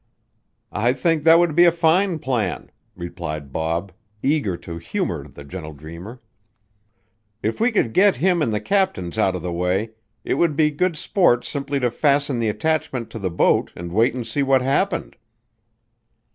"I think that would be a fine plan," replied Bob, eager to humor the gentle dreamer. "If we could get him and the captains out of the way, it would be good sport simply to fasten the attachment to the boat and wait and see what happened."